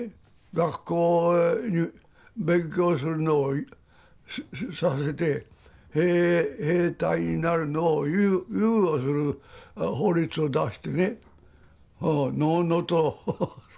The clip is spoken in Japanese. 学校勉強するのをさせて兵隊になるのを猶予する法律を出してねのうのうとさしてると。